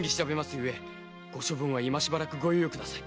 ゆえご処分は今しばらくご猶予ください。